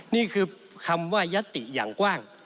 นี่คือคำว่ายัตติอย่างกว้าง